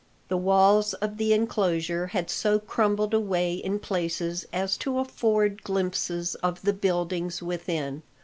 The walls of the enclosure had so crumbled away in places as to afford glimpses of the buildings within.